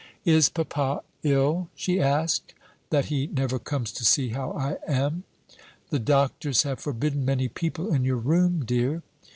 "Is papa ill," she asked, "that he never comes to see how I am?" "The doctors have forbidden many people in your room, dear."